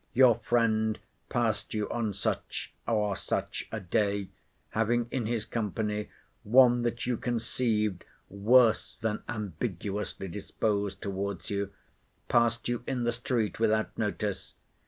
Your friend passed you on such or such a day,—having in his company one that you conceived worse than ambiguously disposed towards you,—passed you in the street without notice.